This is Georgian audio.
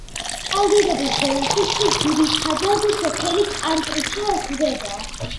წყალდიდობის ზონაში კი ძირითადად სოფელი კარკუჩა ხვდება.